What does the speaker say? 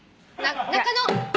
中野！